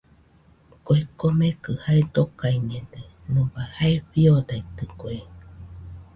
Kue komekɨ jae dokaiñede, nɨbai jae fiodaitɨkue.